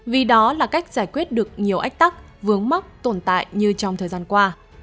vì đó là cách giải quyết được nhiều ách tắc vướng mắc tồn tại như trong thời gian qua